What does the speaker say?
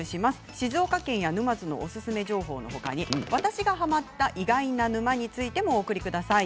静岡県や沼津のおすすめ情報のほかに私がハマった意外な沼についてもお送りください。